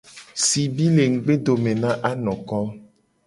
Sibi le ngugbedome na anoko.